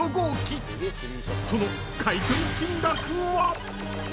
［その買い取り金額は？］